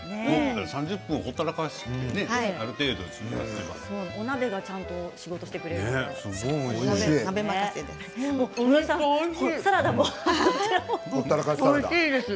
３０分ほったらかしてお鍋がちゃんと仕事してくれます。